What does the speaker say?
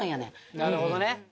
なるほどね。